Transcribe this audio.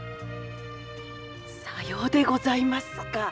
さようでございますか。